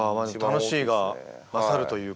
楽しいが勝るというか。